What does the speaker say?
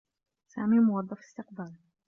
سامي موظف استقبال.